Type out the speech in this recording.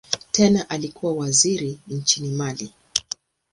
Tena alikuwa waziri nchini Mali.